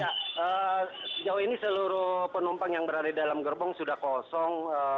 ya sejauh ini seluruh penumpang yang berada di dalam gerbong sudah kosong